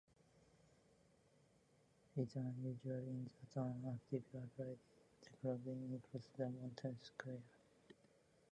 Richland is unusual in that an active railroad crossing intersects the town square.